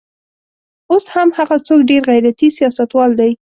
اوس هم هغه څوک ډېر غیرتي سیاستوال دی.